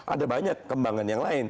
ada banyak kembangan yang lain